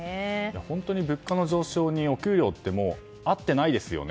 本当に物価の上昇にお給料って合っていないですよね。